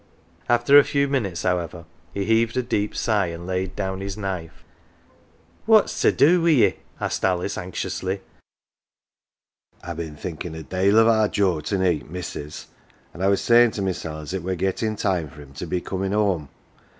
After a few minutes, however, he heaved a deep sigh, and laid down his knife. " What's to do wi 1 ye ?"" asked Alice anxiously. " Fve been thinkin 1 a dale of our Joe to neet, missus, an" I was savin 1 to mysel 1 as it were gettin 1 time for him to be comin 1 home.